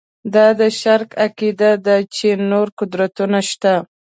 دا د شرک عقیده ده چې نور قدرتونه شته.